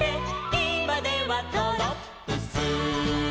「いまではドロップス」